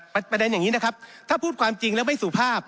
ประเด็นอย่างนี้นะครับถ้าพูดความจริงแล้วไม่สุภาพ